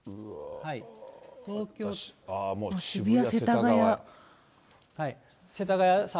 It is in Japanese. もう渋谷、世田谷。